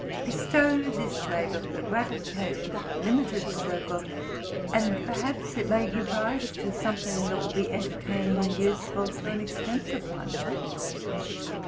Bestow this labor for the gratifi cation of a limited circle, and perhaps it may give rise to something that will be entertaining and useful to an exten sive one.